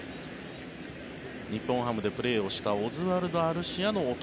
日本ハムでプレーしたオズワルド・アルシアの弟